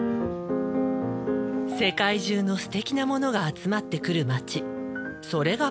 世界中のすてきなものが集まってくる街それがパリ。